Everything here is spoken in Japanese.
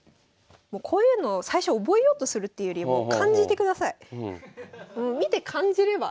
こういうのを最初覚えようとするっていうより見て感じればいいです。